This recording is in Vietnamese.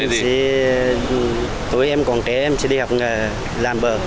em sẽ tôi em còn trẻ em sẽ đi học nghề làm bờ